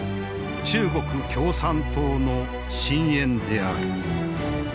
中国共産党の深えんである。